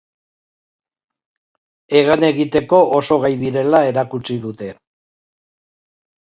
Hegan egiteko oso gai direla erakutsi dute.